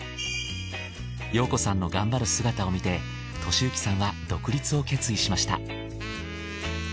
陽子さんの頑張る姿を見て俊之さんは独立を決意しました。